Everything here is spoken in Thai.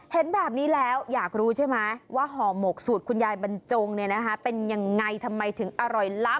เห็นแบบนี้แล้วอยากรู้ใช่ไหมว่าห่อหมกสูตรคุณยายบรรจงเป็นยังไงทำไมถึงอร่อยล้ำ